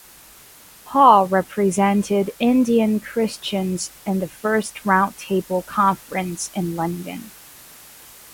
Paul represented Indian Christians in the First Round Table Conference in London.